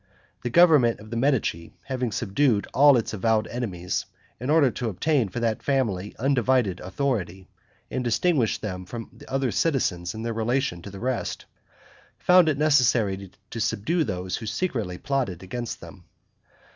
The government of the Medici having subdued all its avowed enemies in order to obtain for that family undivided authority, and distinguish them from other citizens in their relation to the rest, found it necessary to subdue those who secretly plotted against them.